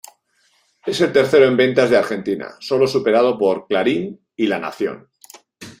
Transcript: Es el tercero en ventas de Argentina, solo superado por "Clarín" y "La Nación".